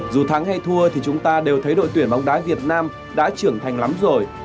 dù thắng hay thua thì chúng ta đều thấy đội tuyển bóng đá việt nam đã trưởng thành lắm rồi